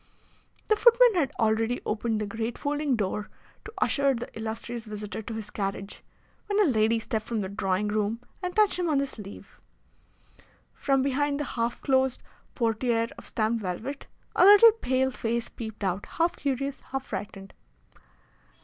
The footman had already opened the great folding door to usher the illustrious visitor to his carriage, when a lady stepped from the drawing room and touched him on the sleeve. From behind the half closed portiere of stamped velvet a little pale face peeped out, half curious, half frightened.